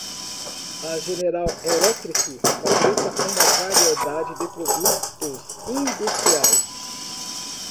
A General Electric fabrica uma variedade de produtos industriais.